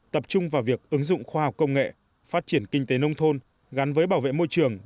tập trung vào việc ứng dụng khoa học công nghệ phát triển kinh tế nông thôn gắn với bảo vệ môi trường